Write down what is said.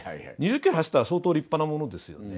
２０キロ走ったら相当立派なものですよね。